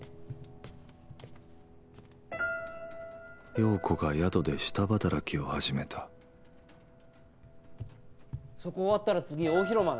葉子が宿で下働きを始めたそこ終わったら次大広間ね。